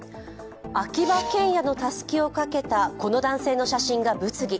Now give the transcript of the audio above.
秋葉けんやのたすきをかけたこの男性の写真が物議。